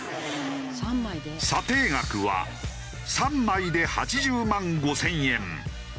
査定額は３枚で８０万５０００円。